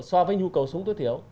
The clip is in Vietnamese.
so với nhu cầu sống tối thiểu